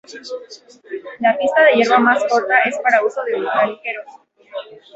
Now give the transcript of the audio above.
La pista de hierba más corta es para uso de ultraligeros.